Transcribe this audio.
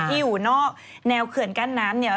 อยู่นอกแนวเขื่อนกั้นน้ำเนี่ย